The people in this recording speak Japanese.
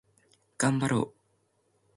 がんばろう